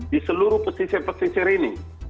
di seluruh pesisir pesisir ini